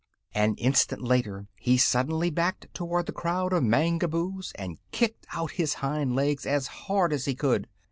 An instant later he suddenly backed toward the crowd of Mangaboos and kicked out his hind legs as hard as he could.